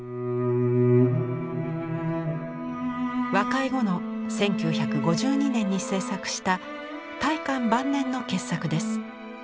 和解後の１９５２年に制作した大観晩年の傑作です。